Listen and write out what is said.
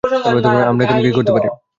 আমরা এখন কী করতে পারি?